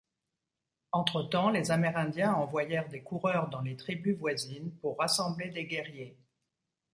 Entre-temps les Amérindiens envoyèrent des coureurs dans les tribus voisines pour rassembler des guerriers.